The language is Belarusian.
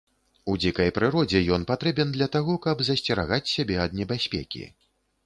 У дзікай прыродзе ён патрэбен для таго, каб засцерагаць сябе ад небяспекі.